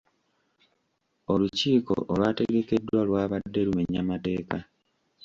Olukukiiko olwategekeddwa lwa badde lumenya mateeka.